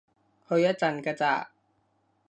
去一陣㗎咋